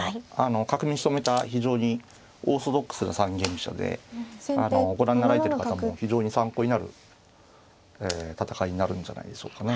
角道止めた非常にオーソドックスな三間飛車であのご覧になられてる方も非常に参考になる戦いになるんじゃないでしょうかね。